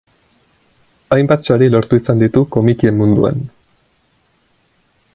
Hainbat sari lortu izan ditu komikien munduan.